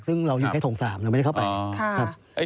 ซึ่งเราอยู่แค่ถง๓เราไม่ได้เข้าไปครับ